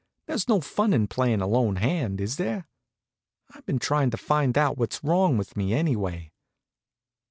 There's no fun in playing a lone hand, is there? I've been trying to find out what's wrong with me, anyway?"